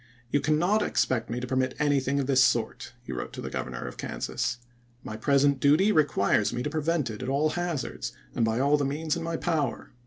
You cannot expect me to permit anything of this sort," he wrote to the Governor of Kansas. "My present duty requires me to prevent it at all hazards and by all the means in my power."